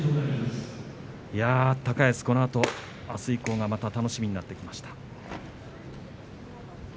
高安はこのあとあす以降が楽しみになってきました。